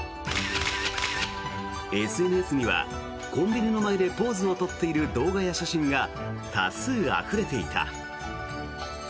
ＳＮＳにはコンビニの前でポーズを取っている動画や写真が多数あふれていた。